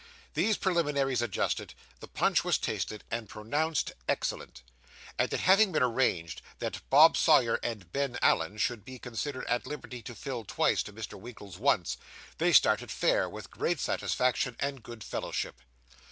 These preliminaries adjusted, the punch was tasted, and pronounced excellent; and it having been arranged that Bob Sawyer and Ben Allen should be considered at liberty to fill twice to Mr. Winkle's once, they started fair, with great satisfaction and good fellowship.